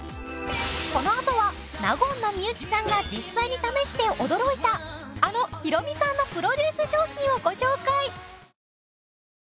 このあとは納言の幸さんが実際に試して驚いたあのヒロミさんのプロデュース商品をご紹介！